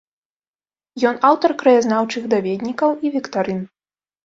Ён аўтар краязнаўчых даведнікаў і віктарын.